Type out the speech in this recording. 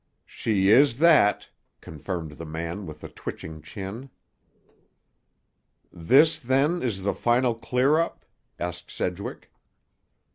"She is that," confirmed the man with the twitching chin. "This, then, is the final clear up?" asked Sedgwick.